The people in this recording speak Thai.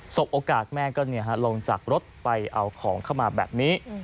โอกาสแม่ก็ลงจากรถไปเอาของเข้ามาแบบนี้